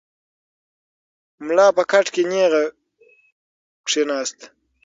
ملا په کټ کې نېغ کښېناست.